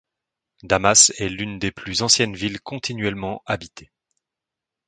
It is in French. Damas est l'une des plus anciennes villes continuellement habitées.